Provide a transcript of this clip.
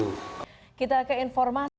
kita ke informasi